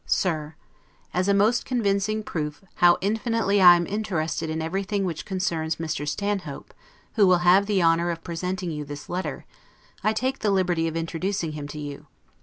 SIR: As a most convincing proof how infinitely I am interested in everything which concerns Mr. Stanhope, who will have the honor of presenting you this letter, I take the liberty of introducing him to you.